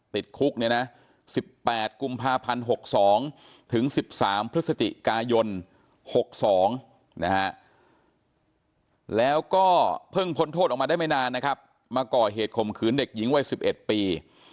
ติดคุกเนี่ยนะ๑๘กุมภาพันธ์๖๒ถึง๑๓พฤศจิกายน๖๒นะฮะแล้วก็เพิ่งพ้นโทษออกมาได้ไม่นานนะครับมาก่อเหตุข่มขืนเด็กหญิงวัย๑๑ปี